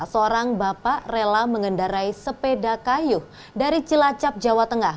seorang bapak rela mengendarai sepeda kayu dari cilacap jawa tengah